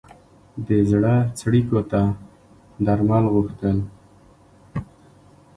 د زړه څړیکو ته درمل غوښتل.